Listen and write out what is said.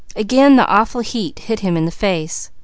Again the awful heat hit him in the face.